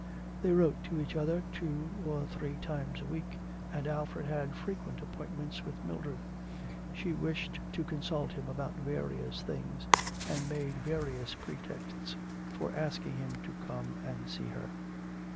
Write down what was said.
They wrote to each other two or three times a week, and Alfred had frequent appointments with Mildred. She wished to consult him about various things, and made various pretexts for asking him to come and see her.